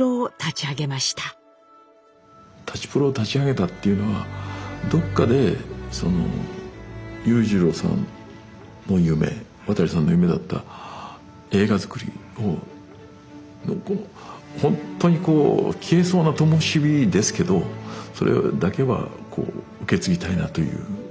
プロを立ち上げたっていうのはどっかでその裕次郎さんの夢渡さんの夢だった映画作りをほんとにこう消えそうなともし火ですけどそれだけはこう受け継ぎたいなという気持ちがあって。